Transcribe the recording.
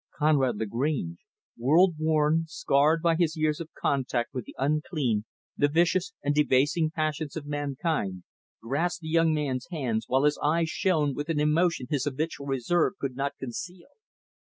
Conrad Lagrange world worn, scarred by his years of contact with the unclean, the vicious, and debasing passions of mankind grasped the young man's hand, while his eyes shone with an emotion his habitual reserve could not conceal.